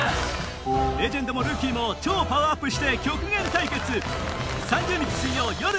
レジェンドもルーキーも超パワーアップして極限対決